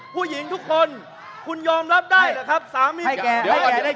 ผู้หญิงทุกคนคุณยอมรับได้เหรอครับ